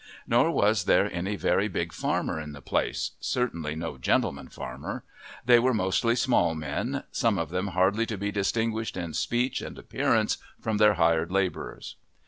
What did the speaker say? Nor was there any very big farmer in the place, certainly no gentleman farmer; they were mostly small men, some of them hardly to be distinguished in speech and appearance from their hired labourers.